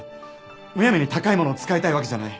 むやみに高いものを使いたいわけじゃない。